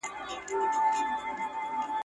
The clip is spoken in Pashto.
چي مېړه وي هغه تل پر یو قرار وي ..